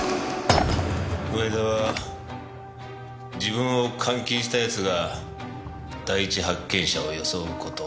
上田は自分を監禁した奴が第一発見者を装うことを恐れた。